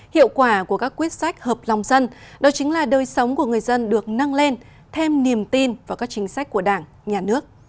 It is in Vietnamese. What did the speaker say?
hiệu quả của các quyết sách hợp lòng dân đó chính là đời sống của người dân được nâng lên thêm niềm tin vào các chính sách của đảng nhà nước